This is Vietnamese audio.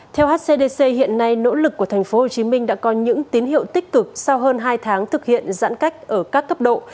theo hcdc hiện nay nỗ lực của tp hcm đã có những tín hiệu tích cực sau hơn hai tháng thực hiện giãn cách ở các cấp độ